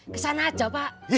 ke sana aja pak